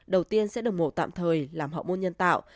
đầu tiên sẽ được mổ tạm thời làm họ môn nhân tạo